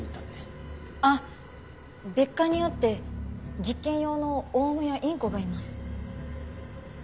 あっ別館にあって実験用のオウムやインコがいます。